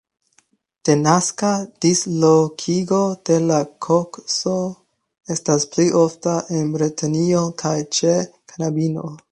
Denaska dislokigo de la kokso estas pli ofta en Bretonio kaj ĉe knabinoj.